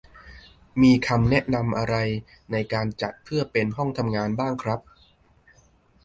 มีคำแนะนำอะไรในการจัดเพื่อเป็นห้องทำงานบ้างครับ ?